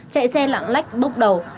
chạy xe lạng lách bốc đầu